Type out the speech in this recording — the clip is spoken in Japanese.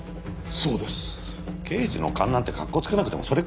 そうです。